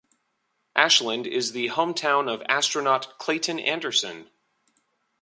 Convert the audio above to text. Ashland is the hometown of astronaut Clayton Anderson.